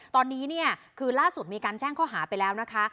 ตอนนี้เนี่ยคือล่าสุดมีการแจ้งข้อหาไปแล้วนะคะ